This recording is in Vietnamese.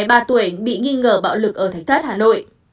bà tuệ bị nghi ngờ bạo lực ở thánh thất hà nội